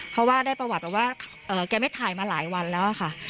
เพราะว่าได้ประวัติแบบว่าแกไม่ถ่ายมาหลายวันแล้วค่ะ